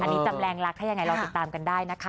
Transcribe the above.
อันนี้จำแรงรักถ้ายังไงรอติดตามกันได้นะคะ